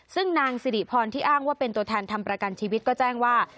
ซึ่งนางสิริพรที่อ้างว่าเป็นตัวแทนทำประกันชีวิตก็แจ้งว่า